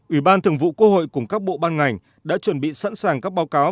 ủy ban thường vụ quốc hội cùng các bộ ban ngành đã chuẩn bị sẵn sàng các báo cáo